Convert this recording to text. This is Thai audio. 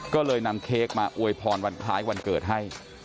ก็เลยนำเค้กมาอวยพรวันคล้ายวันเกิดให้